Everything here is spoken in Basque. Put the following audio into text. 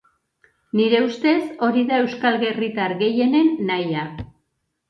Nire ustez, hori da euskal herritar gehienen nahia.